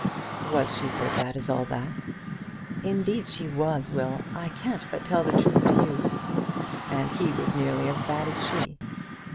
"Was she so bad as all that?" "Indeed she was, Will. I can't but tell the truth to you." "And he was nearly as bad as she."